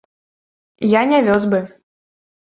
Я не вёз бы!